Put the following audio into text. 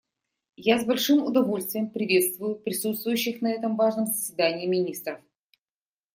Я с большим удовольствием приветствую присутствующих на этом важном заседании министров.